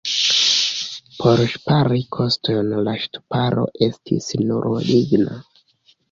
Por ŝpari kostojn la ŝtuparo estis nur ligna.